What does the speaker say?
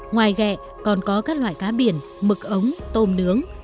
ngoài gẹ còn có các loại cá biển mực ống tôm nướng